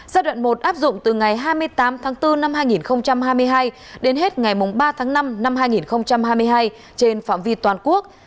giai đoạn một áp dụng từ ngày hai mươi tám tháng bốn năm hai nghìn hai mươi hai đến hết ngày ba tháng năm năm hai nghìn hai mươi hai trên phạm vi toàn quốc